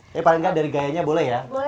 tapi paling nggak dari gayanya boleh ya